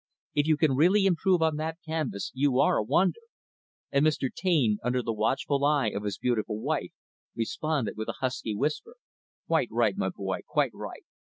If you can really improve on that canvas, you are a wonder." And Mr. Taine, under the watchful eye of his beautiful wife, responded with a husky whisper, "Quite right my boy quite right!